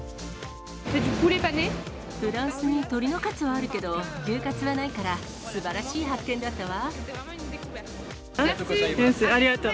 フランスに鶏のかつはあるけど牛かつはないから、すばらしい発見だったわ。